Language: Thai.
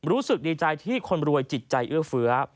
รู้สึกดีใจที่คนรวยจิตใจเอื้อเฟื้อ